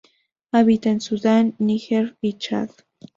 Habita en Sudán, Níger y Chad.